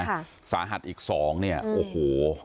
ค่ะสาหัสอีกสองเนี่ยโอ้โห